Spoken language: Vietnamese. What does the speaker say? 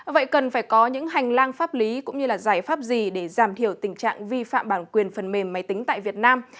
vậy cần phải có những hành lang pháp lý cũng như giải pháp gì để giảm thiểu tình trạng vi phạm bản quyền phần mềm máy tính tại việt nam